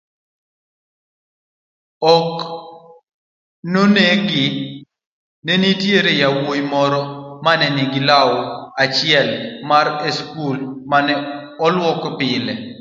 ok neging'eyo ni nitiere wuoyi moro manenigi lau achielmarskulmaneluokopile